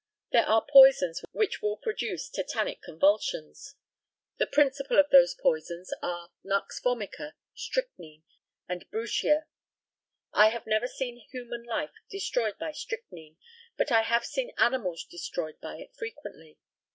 There are poisons which will produce tetanic convulsions. The principal of those poisons are nux vomica, strychnine, and bruccia. I have never seen human life destroyed by strychnine, but I have seen animals destroyed by it frequently.